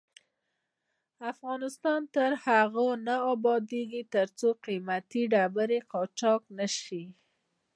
افغانستان تر هغو نه ابادیږي، ترڅو قیمتي ډبرې قاچاق نشي.